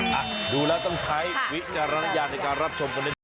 อ่าดูแล้วต้องใช้วิญญาณรัฐการรับชม